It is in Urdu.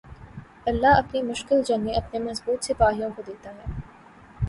اللہ اپنی مشکل جنگیں اپنے مضبوط سپاہیوں کو دیتا ہے